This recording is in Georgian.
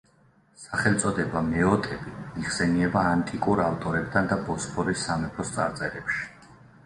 სახელწოდება „მეოტები“ იხსენიება ანტიკურ ავტორებთან და ბოსფორის სამეფოს წარწერებში.